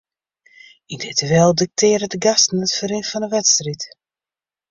Yn dit duel diktearren de gasten it ferrin fan 'e wedstriid.